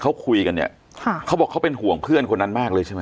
เขาคุยกันเนี่ยค่ะเขาบอกเขาเป็นห่วงเพื่อนคนนั้นมากเลยใช่ไหม